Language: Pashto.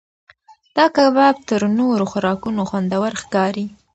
دا کباب تر نورو خوراکونو خوندور ښکاري.